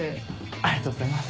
ありがとうございます。